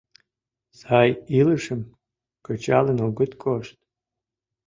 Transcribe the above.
Сай илышым кычалын огыт кошт.